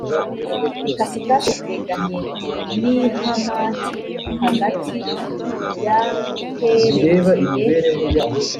ikasikazi hateganye n i hamati hagati y aherekeye